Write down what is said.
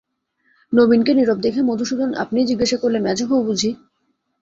নবীনকে নীরব দেখে মধুসূদন আপনিই জিজ্ঞাসা করলে, মেজোবউ বুঝি?